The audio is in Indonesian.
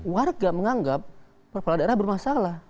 warga menganggap kepala daerah bermasalah